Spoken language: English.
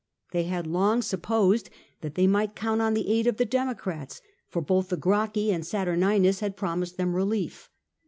They had long supposed that they might count on the aid of the Democrats, for both the Gracchi and Satur ninus had promised them relief.